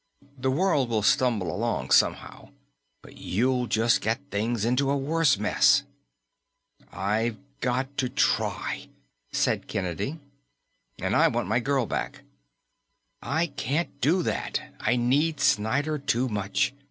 The world will stumble along somehow, but you'll just get things into a worse mess." "I've got to try," said Kennedy. "And I still want my girl back." "I can't do that; I need Snyder too much.